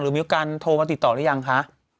หรือมีการโทรมาติดต่อได้ยังคะ